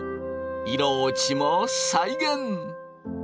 色落ちも再現！